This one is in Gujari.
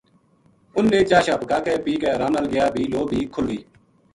ان نے چاہ شاہ پکا کے پی کے ارام نال گیا بھی لو بھی کُھل گئی